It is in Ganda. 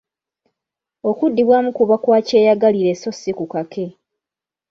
Okuddibwamu kuba kwa kyeyagalire so si kukake.